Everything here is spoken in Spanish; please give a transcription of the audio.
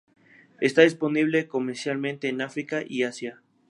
Está disponible comercialmente en África y Asia.